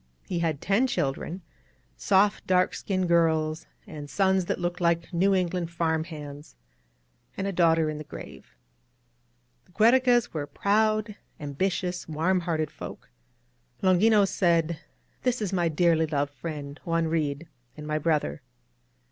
He had ten children, — soft, dark 60 AN OUTPOST OF THE REVOLUTION skinned girls, and sons that looked like New England farmhands, — and a daughter in the grave. The Giierecas were proud, ambitious, warm hearted folk. Longinos said : ^^This is my dearly loved friend, Juan Reed, and my brother."